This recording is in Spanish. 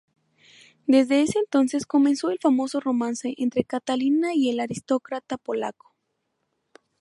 Desde ese entonces comenzó el famoso romance entre Catalina y el aristócrata polaco.